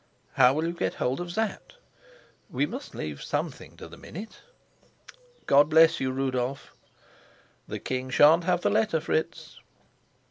"How will you get hold of Sapt?" "We must leave something to the minute." "God bless you, Rudolf." "The king sha'n't have the letter, Fritz."